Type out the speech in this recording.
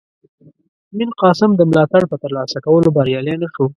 میرقاسم د ملاتړ په ترلاسه کولو بریالی نه شو.